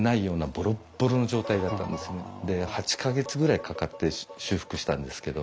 で８か月ぐらいかかって修復したんですけど。